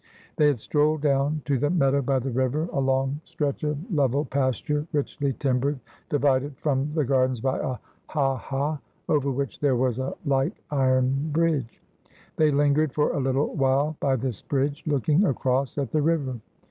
They had strolled down to the meadow by the river, a long stretch of level pasture, richly timbered, divided from the gar dens by a ha ha, over which there was a light iron bridge. They lingered for a little while by this bridge, looking across at the river.